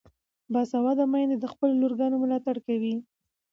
باسواده میندې د خپلو لورګانو ملاتړ کوي.